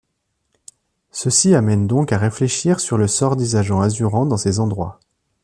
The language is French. Ceci amène donc à réfléchir sur le sort des agents azurants dans ces endroits.